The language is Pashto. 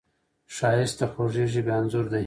ښایست د خوږې ژبې انځور دی